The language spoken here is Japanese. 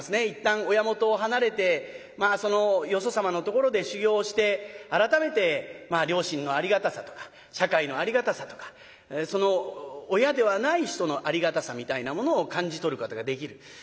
一旦親元を離れてまあそのよそ様のところで修業をして改めて両親のありがたさとか社会のありがたさとかその親ではない人のありがたさみたいなものを感じ取ることができる。